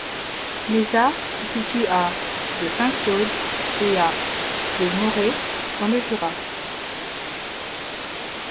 Lézat se situe à de Saint-Claude et à de Morez dans le Jura.